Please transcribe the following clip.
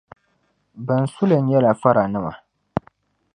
Ban su li nyɛla faranima.